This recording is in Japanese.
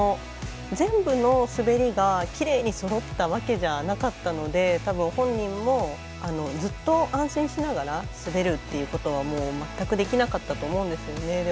全部の滑りがきれいにそろったわけじゃなかったのでたぶん、本人もずっと安心しながら滑るっていうことは全くできなかったと思うんですよね。